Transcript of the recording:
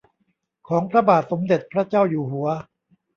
ของพระบาทสมเด็จพระเจ้าอยู่หัว